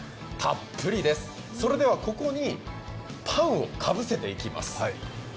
たっぷりです、それではここにパンをかぶせていきます。